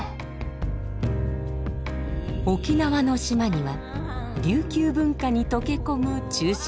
沖縄の島には琉球文化に溶け込む「忠臣蔵」。